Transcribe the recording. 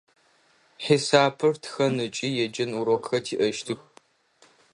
Хьисапыр, тхэн ыкӏи еджэн урокхэр тиӏэщтых.